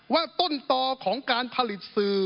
ว่าต้นต่อของการผลิตสื่อ